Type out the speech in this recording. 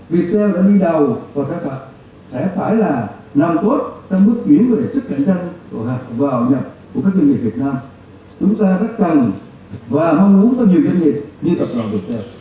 viettel đã đi đầu và các bạn sẽ phải là năm cốt trong bước chuyển về trích cạnh tranh cộng hạc vào nhập của các doanh nghiệp việt nam